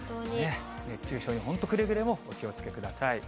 熱中症に本当くれぐれもお気をつけください。